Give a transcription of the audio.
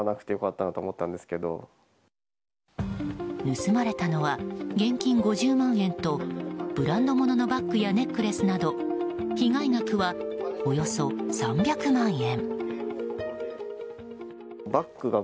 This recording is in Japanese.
盗まれたのは現金５０万円とブランドもののバッグやネックレスなど被害額はおよそ３００万円。